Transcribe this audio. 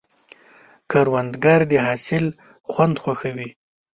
کروندګر د حاصل خوند خوښوي